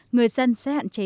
người dân sẽ hạn chế